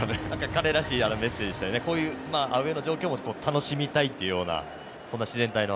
彼らしいメッセージでこういうアウェーの状況も楽しみたいという、自然体の。